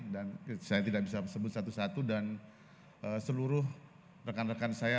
dan saya tidak bisa sebut satu satu dan seluruh rekan rekan saya